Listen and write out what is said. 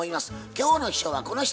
今日の秘書はこの人。